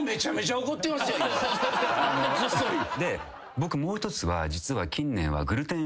僕もう一つ実は近年は。